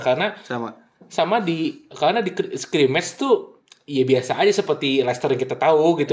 karena sama di scrimmage tuh ya biasa aja seperti leicester yang kita tahu gitu